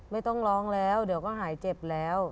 ไม่ต้องร้องแล้วเดี๋ยวก็หายเจ็บแล้ว